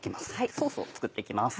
ソースを作って行きます